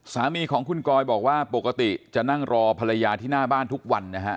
สามีของคุณกอยบอกว่าปกติจะนั่งรอภรรยาที่หน้าบ้านทุกวันนะฮะ